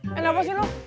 kenapa sih lu